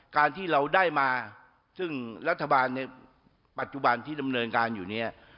การที่เราได้มาซึ่งรัฐบาลในปัจจุบันที่ดำเนินการอยู่เนี่ย